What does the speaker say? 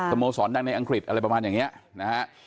โมสรดังในอังกฤษอะไรประมาณอย่างนี้นะฮะ